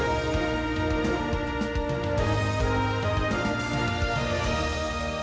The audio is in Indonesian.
lalu lalang transportasi super cepat terus mengisi ruas jalan jalan ibu kota